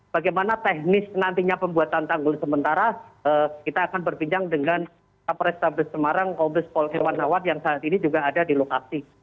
bagaimana teknis nantinya pembuatan tanggul sementara kita akan berbincang dengan kapolres tabes semarang kombes pol hewan hewan yang saat ini juga ada di lokasi